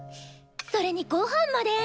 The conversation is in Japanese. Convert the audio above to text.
それにごはんまで。